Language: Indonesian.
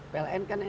pln kan sudah